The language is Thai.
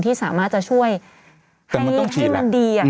ที่สามารถจะช่วยให้ที่มันดี